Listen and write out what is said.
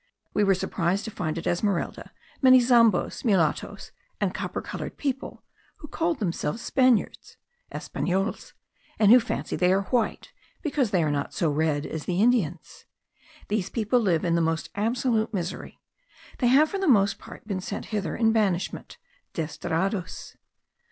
We were surprised to find at Esmeralda many zambos, mulattos, and copper coloured people, who called themselves Spaniards (Espanoles) and who fancy they are white, because they are not so red as the Indians. These people live in the most absolute misery; they have for the most part been sent hither in banishment (desterrados).